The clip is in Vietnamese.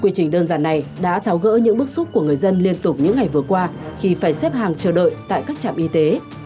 quy trình đơn giản này đã tháo gỡ những bức xúc của người dân liên tục những ngày vừa qua khi phải xếp hàng chờ đợi tại các trạm y tế